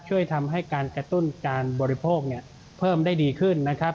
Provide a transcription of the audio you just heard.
ช่วยทำให้การกระตุ้นการบริโภคเพิ่มได้ดีขึ้นนะครับ